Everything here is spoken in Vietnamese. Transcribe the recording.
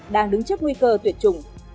đang đứng trước nguy cơ tuyệt chủng